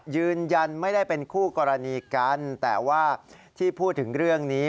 ยืนยันไม่ได้เป็นคู่กรณีกันแต่ว่าที่พูดถึงเรื่องนี้